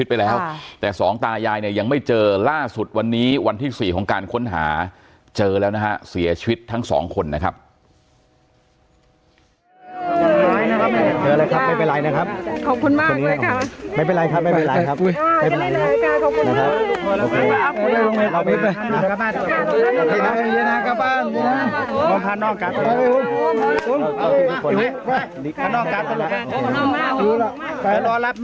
รอรับแม่อยู่ข้างนอกไปไปเดี๋ยวผู้ใหญ่จัดการให้เรียกแม่กลับบ้านไป